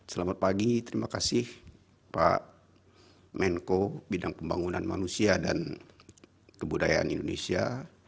selamat pagi terima kasih pak menko bidang pembangunan manusia dan kebudayaan indonesia